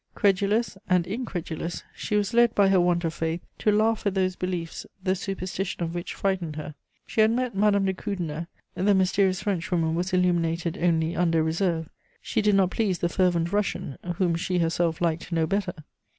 Credulous and incredulous, she was led by her want of faith to laugh at those beliefs the superstition of which frightened her. She had met Madame de Krüdener; the mysterious Frenchwoman was illuminated only under reserve; she did not please the fervent Russian, whom she herself liked no better.